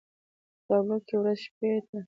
په تابلو کې يې ورځ شپې ته